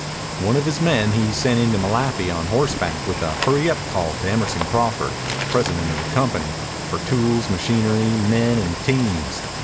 One of his men he sent in to Malapi on horseback with a hurry up call to Emerson Crawford, president of the company, for tools, machinery, men, and teams.